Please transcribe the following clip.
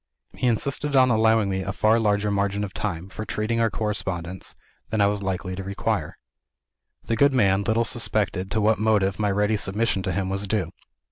He insisted on allowing me a far larger margin of time, for treating with our correspondents, than I was likely to require. The good man little suspected to what motive my ready submission to him was due.